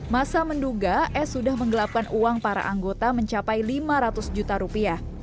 masa menduga s sudah menggelapkan uang para anggota mencapai lima ratus juta rupiah